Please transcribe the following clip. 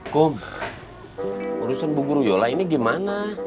kum urusan bu guru yola ini gimana